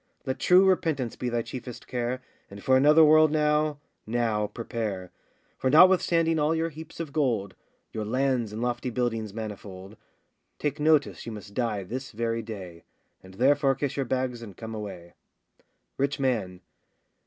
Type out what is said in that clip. Let true repentance be thy chiefest care, And for another world now, now prepare. For notwithstanding all your heaps of gold, Your lands and lofty buildings manifold, Take notice you must die this very day; And therefore kiss your bags and come away. RICH MAN.